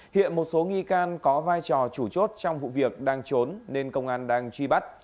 hiện một số nghi can có vai trò chủ chốt trong vụ việc đang trốn nên công an đang truy bắt